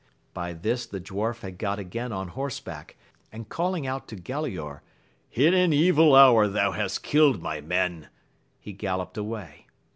By this the dwarf had got again on horseback, and calling out to GaJaor, in an e^dl hour hast thou killed my men ! he galloped away.